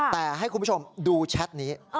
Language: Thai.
แต่ให้คุณผู้ชมดูแชทนี้